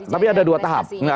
tapi ada dua tahap